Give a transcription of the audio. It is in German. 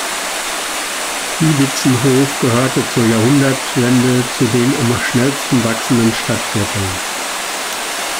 Gibitzenhof gehörte zur Jahrhundertwende zu den am schnellsten wachsenden Stadtvierteln.